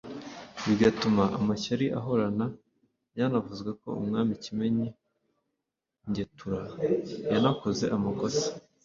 bigatuma amashyari ahahora. Byanavuzwe ko umwami Kimenyi Ngetura yanakoze amakosa